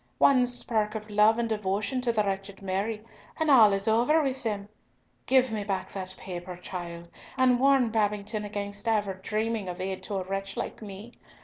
One spark of love and devotion to the wretched Mary, and all is over with them! Give me back that paper, child, and warn Babington against ever dreaming of aid to a wretch like me.